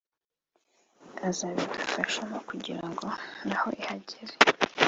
azabidufashamo kugira ngo naho ihagere